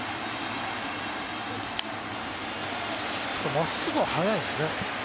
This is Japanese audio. まっすぐは速いんですね。